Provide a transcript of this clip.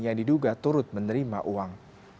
yang diduga turut menerima uang